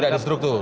tidak di struktur